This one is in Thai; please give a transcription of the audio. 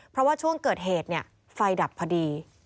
เพราะว่าช่วงเกิดเหตุไฟดับพอดี